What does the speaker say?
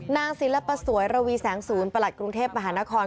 นางศิลปสวยระวีแสงศูนย์ประหลัดกรุงเทพมหานคร